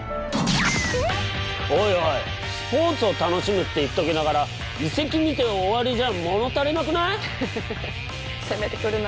おいおいスポーツを楽しむって言っときながら遺跡見て終わりじゃ物足りなくない？